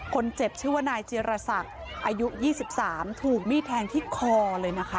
คนเจ็บชื่อว่านายเจรศักดิ์อายุ๒๓ถูกมีดแทงที่คอเลยนะคะ